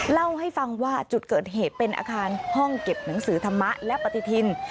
เล่าให้ฟังว่าจุดเกิดเหตุเป็นอาคารห้องเก็บหนังสือธรรมะและปฏิทิน